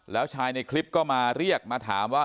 แล้วชายในคลิปก็มาเรียกมาถามว่า